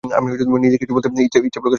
আমি নিজে কিছু বলতে ইচ্ছে করি।